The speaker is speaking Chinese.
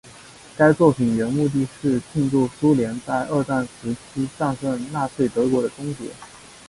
该作品原目的是庆祝苏联在二战时期战胜纳粹德国的终结。